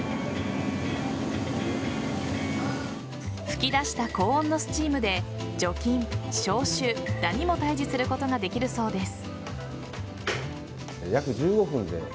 吹き出した高温のスチームで除菌・消臭ダニも退治することができるそうです。